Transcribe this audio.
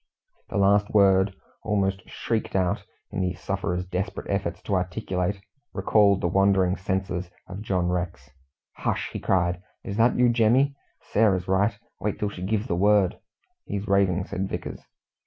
The last word, almost shrieked out, in the sufferer's desperate efforts to articulate, recalled the wandering senses of John Rex. "Hush!" he cried. "Is that you, Jemmy? Sarah's right. Wait till she gives the word." "He's raving," said Vickers.